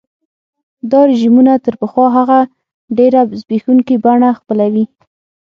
دا رژیمونه تر پخوا هغه ډېره زبېښونکي بڼه خپلوي.